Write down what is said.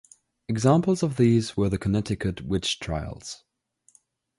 Examples of these were the Connecticut Witch Trials.